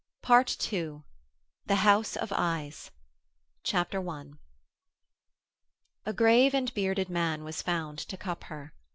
PART TWO THE HOUSE OF EYES I A grave and bearded man was found to cup her.